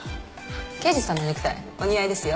刑事さんのネクタイお似合いですよ。